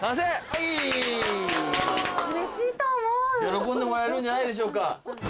喜んでもらえるんじゃないでしょうか。